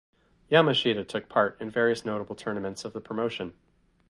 Yamashita took part in various notable tournaments of the promotion.